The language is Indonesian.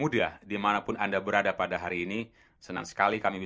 dia jaman dan hidup baik di hatiku